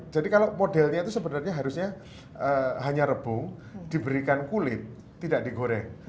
jadi kalau modelnya itu sebenarnya harusnya hanya rebung diberikan kulit tidak digoreng